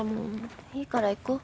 いいから行こう。